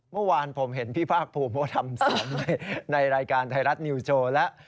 เมื่อวานผมเห็นพี่ภาคภูมิเขาทำสวนในรายการไทยรัฐนิวโชว์แล้ว